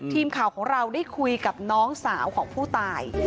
ทีมข่าวของเราได้คุยกับน้องสาวของผู้ตาย